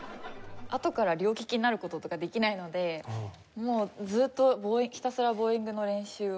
あとから両ききになる事とかできないのでもうずっとひたすらボウイングの練習をし続ける。